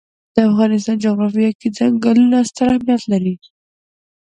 د افغانستان جغرافیه کې چنګلونه ستر اهمیت لري.